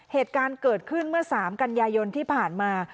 เหตุการณ์เกิดขึ้นเมื่อ๓กันยายนที่ผ่านมา